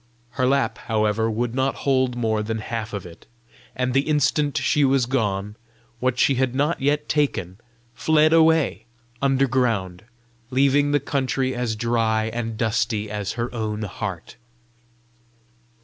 Her lap, however, would not hold more than half of it; and the instant she was gone, what she had not yet taken fled away underground, leaving the country as dry and dusty as her own heart.